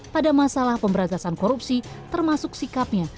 pada masalah pemberantasan korupsi termasuk sikapnya